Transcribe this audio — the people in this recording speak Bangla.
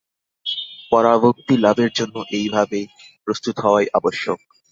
পরাভক্তি-লাভের জন্য এইভাবে প্রস্তুত হওয়াই আবশ্যক।